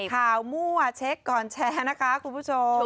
มั่วเช็คก่อนแชร์นะคะคุณผู้ชม